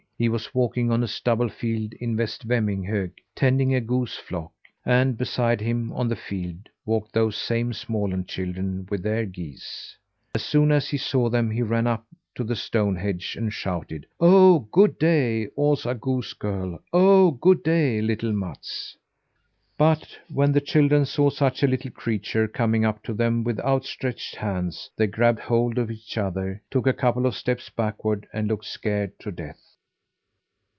He was walking on a stubble field, in West Vemminghög, tending a goose flock; and beside him, on the field, walked those same Småland children, with their geese. As soon as he saw them, he ran up on the stone hedge and shouted: "Oh, good day, Osa goose girl! Oh, good day, little Mats!" But when the children saw such a little creature coming up to them with outstretched hands, they grabbed hold of each other, took a couple of steps backward, and looked scared to death.